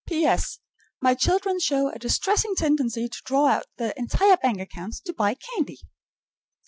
P.S. My children show a distressing tendency to draw out their entire bank accounts to buy candy.